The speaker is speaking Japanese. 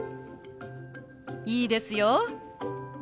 いいですよ！